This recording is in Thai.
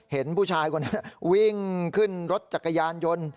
เห็นผู้ชายคนนั้นวิ่งขึ้นรถจักรยานยนต์